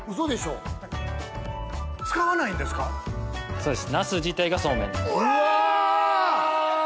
そうです。